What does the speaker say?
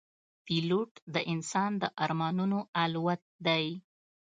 پیلوټ د انسان د ارمانونو الوت دی.